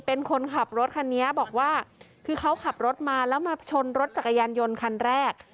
เป็นคนขับรถคันนี้บอกว่าคือเขาขับรถมาแล้วมาชนรถจักรยานยนต์คันแรก